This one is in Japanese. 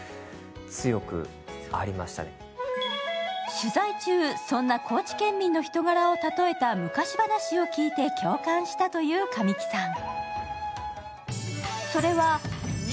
取材中、そんな高知県民の人柄を例えた昔話を聞いて共感したという神木さん。